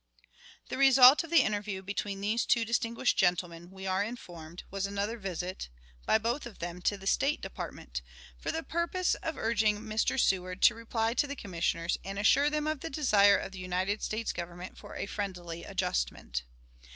The result of the interview between these two distinguished gentlemen, we are informed, was another visit, by both of them, to the State Department, for the purpose of urging Mr. Seward to reply to the Commissioners, and assure them of the desire of the United States Government for a friendly adjustment.